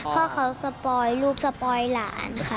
พ่อเขาสปอยลูกสปอยหลานค่ะ